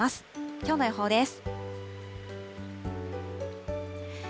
きょうの予報です。